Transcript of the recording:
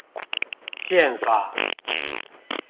憲法